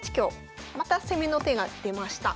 また攻めの手が出ました。